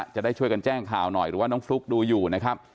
จะได้ช่วยกันแจ้งข่าวหน่อยหรือว่าน้องฟลุ๊กดูอยู่นะครับ